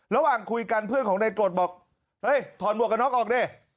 ระหว่างคุยกันเพื่อนของนายกรดบอกเฮ้ยถอดหมวกกันน็อกออกดิ